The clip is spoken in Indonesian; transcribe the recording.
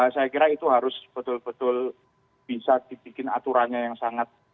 saya kira itu harus betul betul bisa dibikin aturannya yang sangat